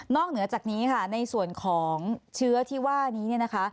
เหนือจากนี้ค่ะในส่วนของเชื้อที่ว่านี้เนี่ยนะคะ